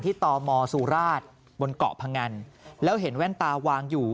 ตมสุราชบนเกาะพงันแล้วเห็นแว่นตาวางอยู่